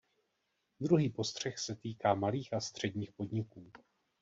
Druhý postřeh se týká malých a středních podniků.